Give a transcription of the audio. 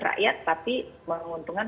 rakyat tapi menguntungkan